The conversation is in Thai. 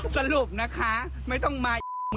สรุปนะคะไม่ต้องมาอีก